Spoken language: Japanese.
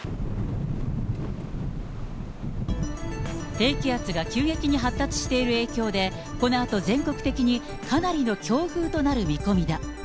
低気圧が急激に発達している影響で、このあと全国的にかなりの強風となる見込みだ。